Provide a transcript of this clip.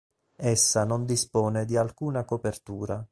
Essa non dispone di alcuna copertura.